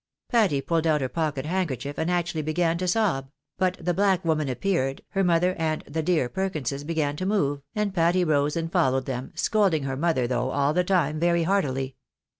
Patty pulled out her pocket handkerchief, and actually began to sob ; but the black woman appeared, her mother and " the dear Perkinses " began to move, and Patty rose and followed them, scolding her mother, though, all the time very heartily.